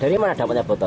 dari mana dapatnya botol